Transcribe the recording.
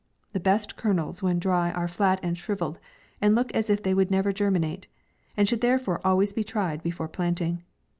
The best kernels when dry are flat and shrivelled, and look as if they would never germinate ; and should therefore always be tried before planting.